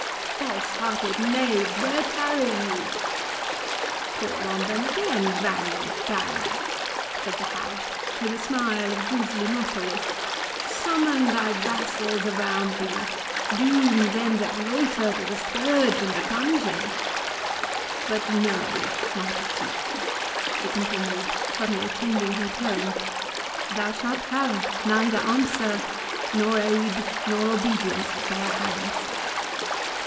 false hearted, knaves, where tarry ye?" "Call on them again, valiant Baron," said the hag, with a smile of grisly mockery; "summon thy vassals around thee, doom them that loiter to the scourge and the dungeon—But know, mighty chief," she continued, suddenly changing her tone, "thou shalt have neither answer, nor aid, nor obedience at their hands.